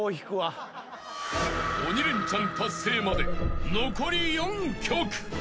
［鬼レンチャン達成まで残り４曲］